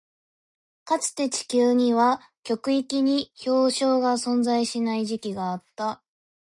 かつて、地球には極域に氷床が存在しない時期があった。